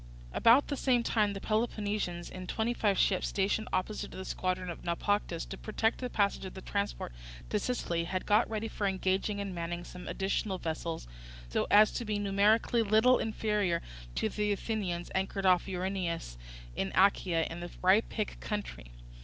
About the same time the Peloponnesians in the twenty five ships stationed opposite to the squadron at Naupactus to protect the passage of the transports to Sicily had got ready for engaging, and manning some additional vessels, so as to be numerically little inferior to the Athenians, anchored off Erineus in Achaia in the Rhypic country.